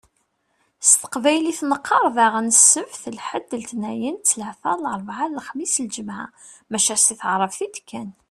S teqbaylit neqqaṛ daɣen: Sebt, lḥed, letniyen, ttlata, larbɛa, lexmis, lǧemɛa. Maca si taɛrabt i d-kkan.